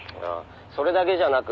「それだけじゃなく」